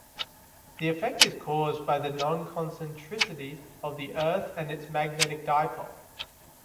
The effect is caused by the non-concentricity of the Earth and its magnetic dipole.